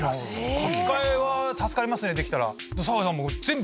書き換えは助かりますできたら。